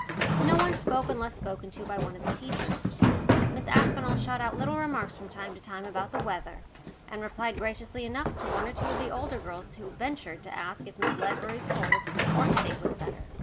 No one spoke unless spoken to by one of the teachers. Miss Aspinall shot out little remarks from time to time about the weather, and replied graciously enough to one or two of the older girls who ventured to ask if Miss Ledbury's cold, or headache, was better.